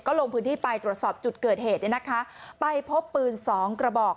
ลงพื้นที่ไปตรวจสอบจุดเกิดเหตุเนี่ยนะคะไปพบปืนสองกระบอก